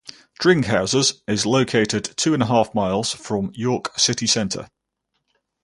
Dringhouses is located two and a half miles from York City Centre.